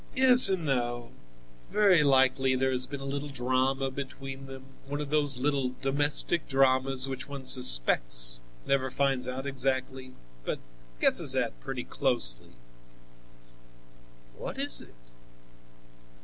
"Yes and no. Very likely there has been a little drama between them, one of those little domestic dramas which one suspects, never finds out exactly, but guesses at pretty closely." "What is it?"